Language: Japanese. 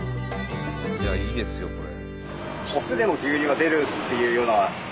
いいですよこれ。